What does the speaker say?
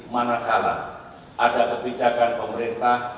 mana kala ada kebijakan pemerintah